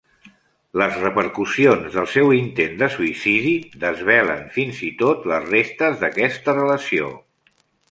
Les repercussions del seu intent de suïcidi desvelen fins i tot les restes d'aquesta relació.